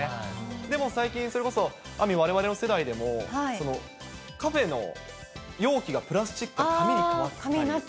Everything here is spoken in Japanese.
でも最近、それこそ、ある意味われわれの世代でも、カフェの容器がプラスチックが紙に変わったりして。